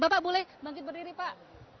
bapak boleh bangkit berdiri pak